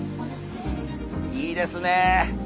いいですね。